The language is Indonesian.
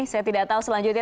saya tidak tahu selanjutnya